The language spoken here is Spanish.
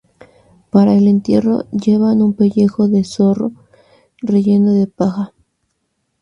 Para el entierro llevan un pellejo de zorro relleno de paja.